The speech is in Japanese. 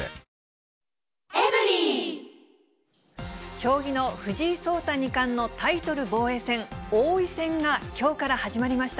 将棋の藤井聡太二冠のタイトル防衛戦、王位戦がきょうから始まりました。